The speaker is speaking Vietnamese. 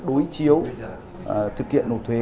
đối chiếu thực hiện nộp thuế